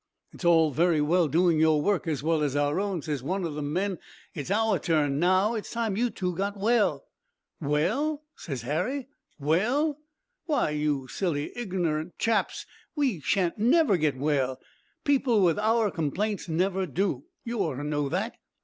"'It's all very well doing your work as well as our own,' ses one of the men. 'It's our turn now. It's time you two got well.' "'Well?' ses Harry, 'well? Why, you silly iggernerant chaps, we shan't never get well; people with our complaints never do. You ought to know that.'